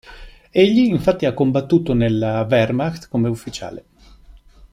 Egli infatti ha combattuto nella Wehrmacht come ufficiale.